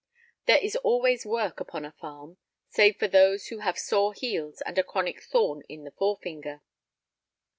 There is always work upon a farm, save for those who have sore heels and a chronic thorn in the forefinger.